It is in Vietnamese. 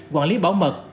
quản lý bảo mật